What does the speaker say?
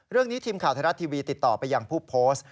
เรื่องนี้ทีมข่าวไทยรัฐทีวีติดต่อไปอย่างผู้โพสต์